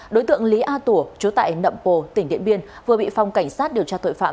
đối tượng lý a tủa chú tại nậm pồ tỉnh điện biên vừa bị phòng cảnh sát điều tra tội phạm